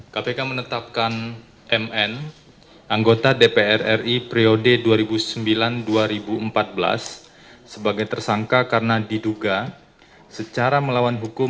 kpk menetapkan mn anggota dpr ri periode dua ribu sembilan dua ribu empat belas sebagai tersangka karena diduga secara melawan hukum